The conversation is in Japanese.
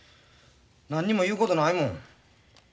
何にも言うことないもん。